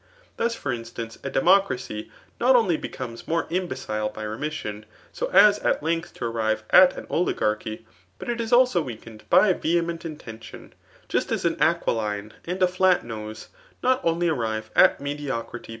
Thus for instance, a democracy, not only becomes* more imbecile by remisaon, so as at length to arrive at aaoligarcby, but it is also weakened by vehement inten tioit; just as an aquiline and a flat nose, not only asrire at taediocrity.